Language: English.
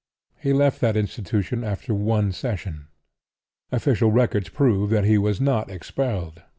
He left that institution after one session. Official records prove that he was not expelled.